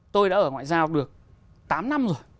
tôi đã ở ngoại giao được tám năm rồi